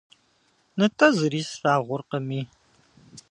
НтӀэ зыри слъагъуркъыми!